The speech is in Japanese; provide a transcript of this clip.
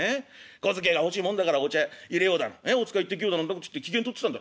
小遣え欲しいもんだからお茶いれようだのお使い行ってきようだの機嫌とってたんだろ。